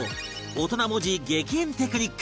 大人文字激変テクニック